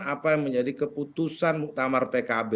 apa yang menjadi keputusan muktamar pkb